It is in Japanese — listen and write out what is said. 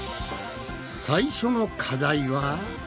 最初の課題は。